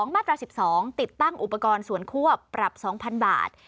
มาตรา๑๒ติดตั้งอุปกรณ์ส่วนควบปรับ๒๐๐๐บาท